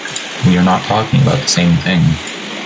We are not talking about the same thing.